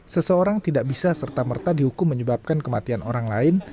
seseorang tidak bisa serta merta dihukum menyebabkan kematian orang lain